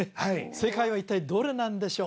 正解は一体どれなんでしょう